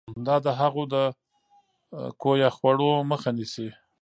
دا د هغو د کویه خوړو مخه نیسي.